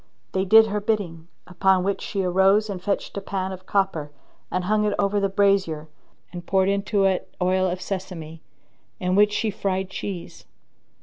They did her bidding, upon which she arose and fetched a pan of copper and hung it over the brazier and poured into it oil of sesame, in which she fried cheese.